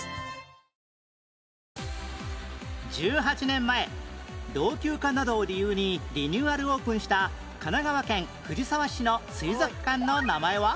１８年前老朽化などを理由にリニューアルオープンした神奈川県藤沢市の水族館の名前は？